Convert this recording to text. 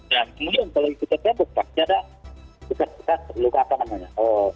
dan kemudian kalau itu ketembok pasti ada juga juga luka apa namanya